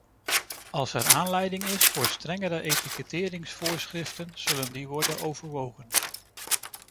Als er aanleiding is voor strengere etiketteringsvoorschriften, zullen die worden overwogen.